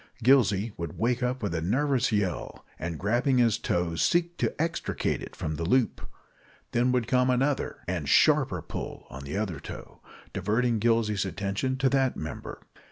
Gillsey would wake up with a nervous yell, and grabbing his toe, seek to extricate it from the loop. Then would come another and sharper pull at the other toe, diverting Gillsey's attention to that member.